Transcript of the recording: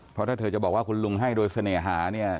เพราะถ้าเธอจะบอกว่าคุณลุงให้โดยเสน่หาเนี่ย